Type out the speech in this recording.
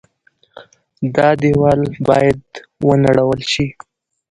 دا دېوال باید ونړول شي.